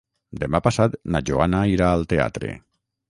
Demà passat na Joana irà al teatre.